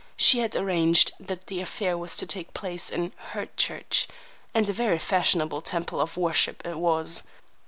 She had arranged that the affair was to take place in "her church"—and a very fashionable temple of worship it was.